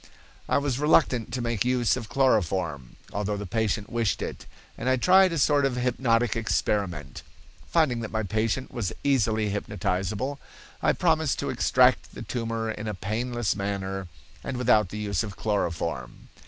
"I was reluctant to make use of chloroform, although the patient wished it, and I tried a short hypnotic experiment. Finding that my patient was easily hypnotizable, I promised to extract the tumor in a painless manner and without the use of chloroform.